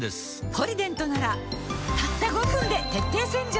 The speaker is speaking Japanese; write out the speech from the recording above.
「ポリデント」ならたった５分で徹底洗浄